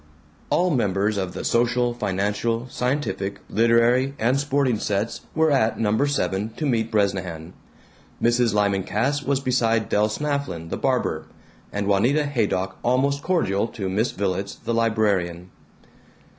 All members of the social, financial, scientific, literary, and sporting sets were at No. 7 to meet Bresnahan; Mrs. Lyman Cass was beside Del Snafflin the barber, and Juanita Haydock almost cordial to Miss Villets the librarian.